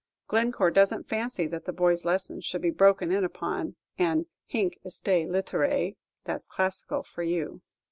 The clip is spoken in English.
Glencore doesn't fancy that the boy's lessons should be broken in upon, and hinc istæ litteræ, that's classical for you.